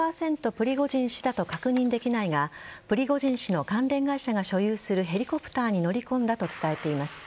プリゴジン氏だと確認できないがプリゴジン氏の関連会社が所有するヘリコプターに乗り込んだと伝えています。